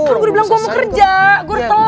kan gue udah bilang gue mau kerja gue udah telat